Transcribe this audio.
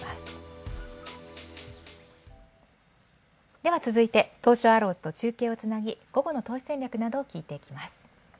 では続いて、東証アローズから中継をつなぎ午後の投資戦略などを聞いていきます。